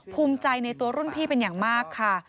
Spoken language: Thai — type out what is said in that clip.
ภูมิใจในตัวรุ่นพี่เป็นอย่างมากค่ะ